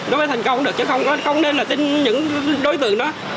nó mới thành công được chứ không nên là những đối tượng đó